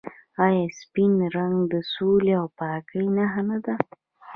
آیا سپین رنګ د سولې او پاکۍ نښه نه ده؟